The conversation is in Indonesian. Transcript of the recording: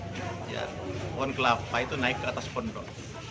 hujan kelapa itu naik ke atas pondok